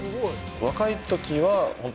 若いときは本当